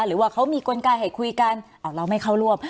หรือว่าเขามีกลไกให้คุยกันเราไม่เข้าร่วม